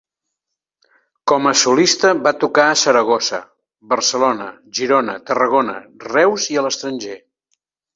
Com a solista va tocar a Saragossa, Barcelona, Girona, Tarragona, Reus i a l'estranger.